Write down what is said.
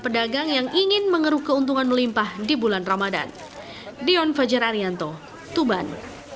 kecurangan pedagang yang ingin mengeruh keuntungan melimpah di bulan ramadan